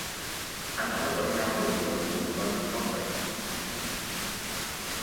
Ăn ở với nhau được một mụn con kháu khỉnh